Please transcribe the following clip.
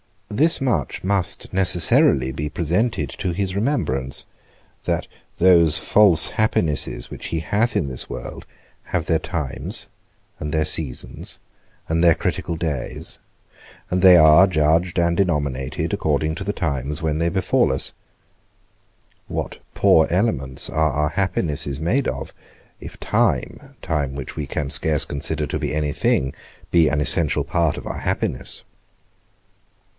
Thus much must necessarily be presented to his remembrance, that those false happinesses which he hath in this world, have their times, and their seasons, and their critical days; and they are judged and denominated according to the times when they befall us. What poor elements are our happinesses made of, if time, time which we can scarce consider to be any thing, be an essential part of our happiness!